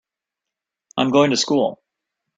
I'm going to school.